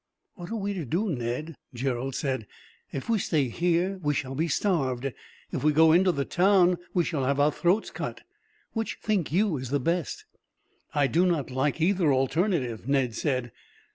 "What are we to do, Ned?" Gerald said. "If we stay here, we shall be starved. If we go into the town, we shall have our throats cut. Which think you is the best?" "I do not like either alternative," Ned said.